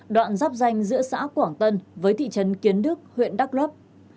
đoạn giáp danh giữa xã quảng tân với thị trấn kiến đức huyện đắk lấp